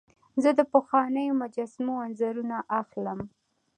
زه د پخوانیو مجسمو انځورونه اخلم.